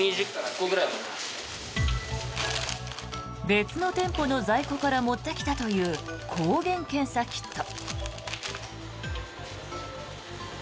別の店舗の在庫から持ってきたという抗原検査キット。